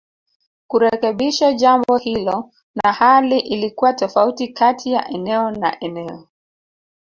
Kurekebisho jambo hilo na hali ilikuwa tofauti kati ya eneo na eneo